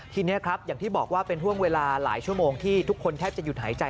ทีนี้ครับอย่างที่บอกว่าเป็นห่วงเวลาหลายชั่วโมงที่ทุกคนแทบจะหยุดหายใจ